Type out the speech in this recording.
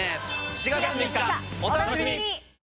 ７月３日お楽しみに！